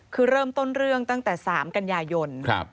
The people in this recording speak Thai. คือเริ่มต้นเรื่องตั้งแต่๓กันยายน